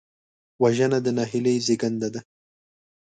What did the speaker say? وژنه د نهیلۍ زېږنده ده